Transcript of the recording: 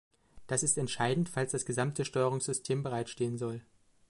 Das ist entscheidend, falls das gesamte Steuerungssystem bereitstehen soll.